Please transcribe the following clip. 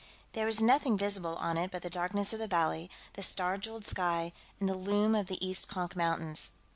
There was nothing visible on it but the darkness of the valley, the star jeweled sky, and the loom of the East Konk Mountains.